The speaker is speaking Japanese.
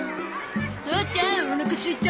父ちゃんおなかすいた！